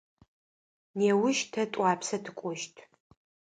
Неущ тэ Тӏуапсэ тыкӏощт.